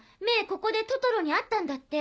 ここでトトロに会ったんだって。